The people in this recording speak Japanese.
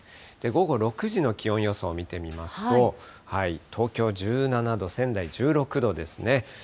午後６時の気温予想見てみますと、東京１７度、仙台１６度ですね。